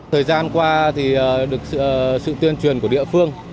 thời gian qua thì được sự tuyên truyền của địa phương